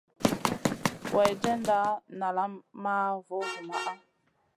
Weerdjenda nalam maʼa vovuma.